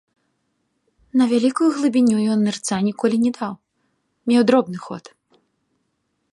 На вялікую глыбіню ён нырца ніколі не даў, меў дробны ход.